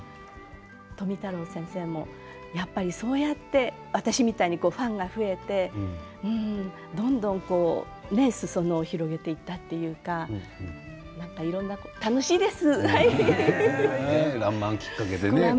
富太郎先生もやっぱりそうやって私みたいにファンが増えてどんどんすそ野を広げていった「らんまん」きっかけでね。